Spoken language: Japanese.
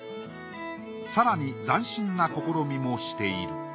更に斬新な試みもしている。